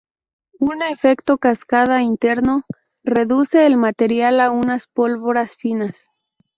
Un efecto-cascada interno reduce el material a unas pólvoras finas.